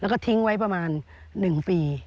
แล้วก็ทิ้งไว้ประมาณ๑ปี